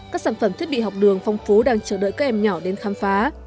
các sản phẩm thiết bị học đường phong phú đang chờ đợi các em nhỏ đến khám phá